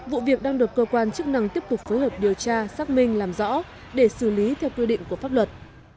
vụ việc đang được cơ quan chức năng tiếp tục phối hợp điều tra xác minh làm rõ để xử lý theo quy định của pháp luật